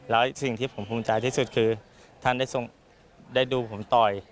แล้วสิ่งที่ผมภูมิใจที่สุดคือท่านได้ดูผมต่อย